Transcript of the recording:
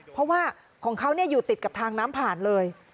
เพราะว่าของเขาอยู่ติดกับทางน้ำผ่านเลย